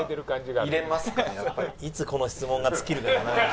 いつこの質問が尽きるかだな。